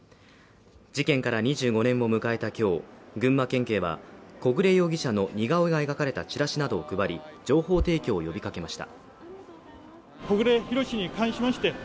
事件から２５年を迎えた今日、群馬県警は小暮容疑者の似顔絵が描かれたチラシなどを配り、情報提供を呼びかけました。